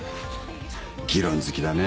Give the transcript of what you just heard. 議論好きだねぇ。